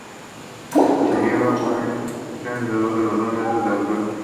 Esta es una hierba perenne que excede a veces los dos metros en altura.